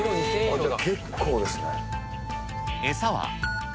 結構ですね。